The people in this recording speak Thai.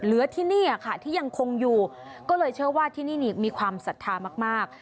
เหลือที่นี่ค่ะที่ยังคงอยู่ก็เลยเชื่อว่าที่นี่มีความศรัทธามาก